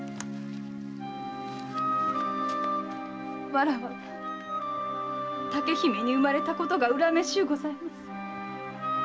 わらわは竹姫に生まれたことが恨めしゅうございます。